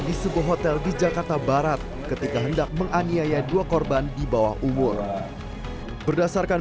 di sebuah hotel di jakarta barat ketika hendak menganiaya dua korban di bawah umur berdasarkan